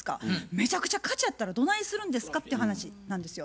めちゃくちゃ価値あったらどないするんですかっていう話なんですよ。